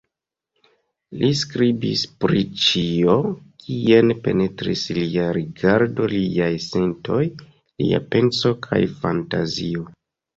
Li skribis pri ĉio, kien penetris lia rigardo, liaj sentoj, lia penso kaj fantazio.